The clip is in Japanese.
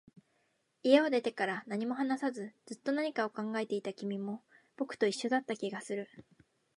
家を出てから、何も話さず、ずっと何かを考えていた君も、僕と一緒だった気がする